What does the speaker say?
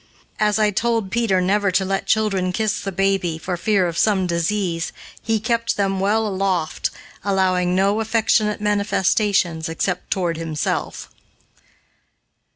As I told Peter never to let children kiss the baby, for fear of some disease, he kept him well aloft, allowing no affectionate manifestations except toward himself.